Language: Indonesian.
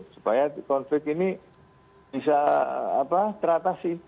supaya konflik ini bisa teratasi